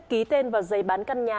ký tên vào giấy bán căn nhà